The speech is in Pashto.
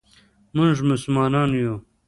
مونږ مسلمانان یو.